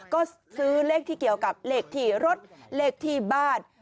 ก็ซื้อเลขที่เกี่ยวกับเลขที่รถเลขที่บ้าน